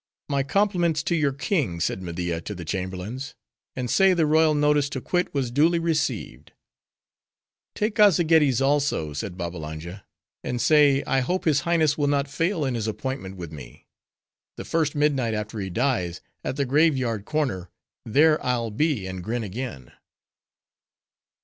"My compliments to your king," said Media to the chamberlains, "and say the royal notice to quit was duly received." "Take Azzageddi's also," said Babbalanja; "and say, I hope his Highness will not fail in his appointment with me:—the first midnight after he dies; at the grave yard corner;—there I'll be, and grin again!"